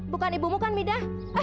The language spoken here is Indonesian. bukan ibu mu kan mida